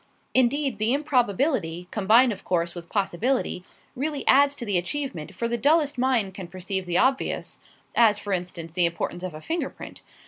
Indeed, the improbability combined, of course, with possibility really adds to the achievement, for the dullest mind can perceive the obvious as, for instance, the importance of a finger print.